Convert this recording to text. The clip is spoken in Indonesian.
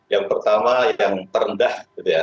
yang pertama yang terendah